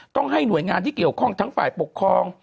ต้องให้หน่วยงานที่เกี่ยวข้องทั้งฝ่ายปกครอง